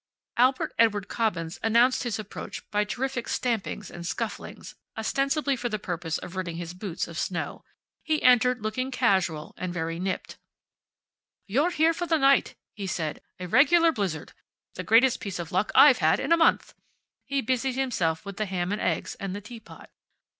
Albert Edward Cobbins announced his approach by terrific stampings and scufflings, ostensibly for the purpose of ridding his boots of snow. He entered looking casual, and very nipped. "You're here for the night," he said. "A regular blizzard. The greatest piece of luck I've had in a month." He busied himself with the ham and eggs and the teapot.